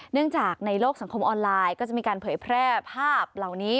เนื่องจากในโลกสังคมออนไลน์ก็จะมีการเผยแพร่ภาพเหล่านี้